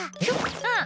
うん！